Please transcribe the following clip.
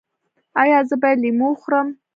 ایا زه باید لیمو وخورم؟